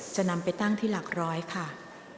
จะนำไปตั้งที่หลักร้อยค่ะ